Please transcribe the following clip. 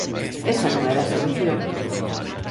Esa non era a solución.